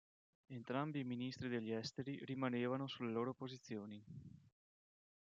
Entrambi i ministri degli Esteri rimanevano sulle loro posizioni.